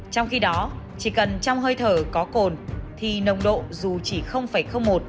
trong khi đó chỉ cần trong hơi thở có cồn thì nồng độ dù chỉ một